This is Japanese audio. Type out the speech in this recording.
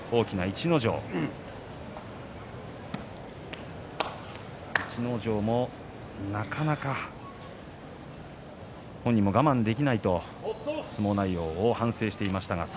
逸ノ城も、なかなか本人も我慢できないと相撲内容を反省していました。